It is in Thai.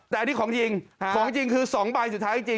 แต่อันนี้ของจริงของจริงคือ๒ใบสุดท้ายจริง